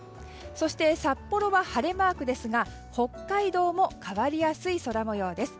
そして、札幌は晴れマークですが北海道も変わりやすい空模様です。